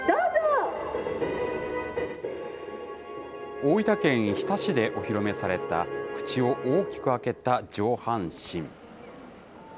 大分県日田市でお披露目された、口を大きく開けた上半身。